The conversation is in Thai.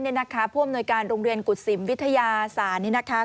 ผู้อำนวยการโรงเรียนกุศิมวิทยาศาสตร์นี่นะคะ